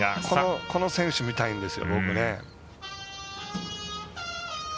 この選手、見たいんですよ。